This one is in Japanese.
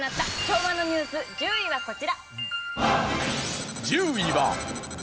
昭和のニュース１０位はこちら。